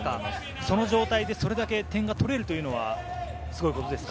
それでそれだけ点が取れるというのはすごいことですか？